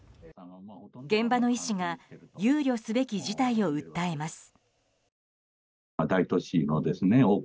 現場の医師が憂慮すべき事態を訴えます。